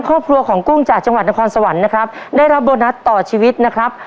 ครอบครัวของกุ้งจากจังหวัดนครสวรรค์นะครับได้รับโบนัสต่อชีวิตนะครับ